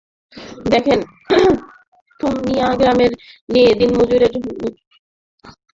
দেখেন, থুমনিয়া গ্রামের দিনমজুর মাজেদুরের স্ত্রী ফরিদা বেগমকে ভ্যানে করে আনা হয়েছে।